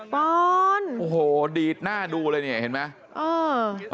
ปอนโอ้โหดีดหน้าดูเลยเนี่ยเห็นไหม